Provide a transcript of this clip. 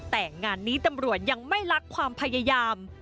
แต่งานนี้ตำรวจยังไม่ลักความพยายาม